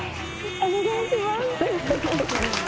お願いします。